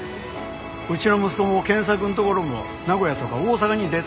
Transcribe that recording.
うちの息子も賢作んところも名古屋とか大阪に出とる。